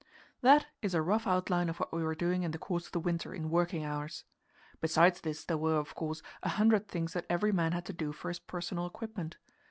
That is a rough outline of what we were doing in the course of the winter in "working hours." Besides this there were, of course, a hundred things that every man had to do for his personal equipment.